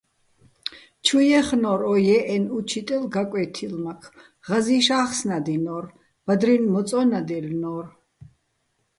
ჩუ ჲეხნო́რ ო ჲე́ჸენო̆ უჩიტელ გაკვე́თილმაქ, ღაზი́შ ა́ხსნადინო́რ, ბადრინ მოწო́ნადჲელნო́რ.